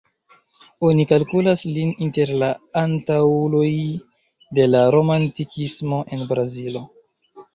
Oni kalkulas lin inter la antaŭuloj de la Romantikismo en Brazilo.